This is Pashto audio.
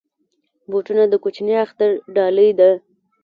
بوټونه د کوچني اختر ډالۍ ده.